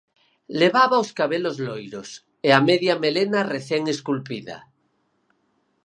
Levaba os cabelos loiros, e a media melena recén esculpida.